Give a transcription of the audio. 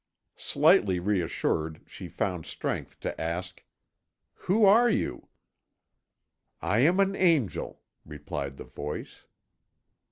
Slightly reassured, she found strength to ask: "Who are you?" "I am an angel," replied the voice.